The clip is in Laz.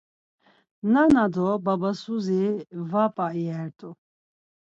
Nana do babasuzi va p̌a iyert̆u.